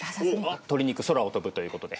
鶏肉空を飛ぶということで。